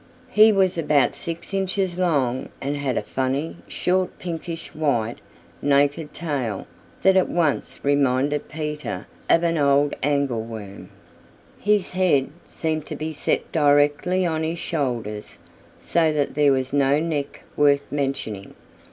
He was about six inches long and had a funny, short, pinkish white, naked tail that at once reminded Peter of an Angleworm. His head seemed to be set directly on his shoulders, so that there was no neck worth mentioning.